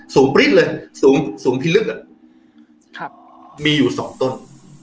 สูงปริศเลยสูงพิลึกอ่ะมีอยู่สองต้น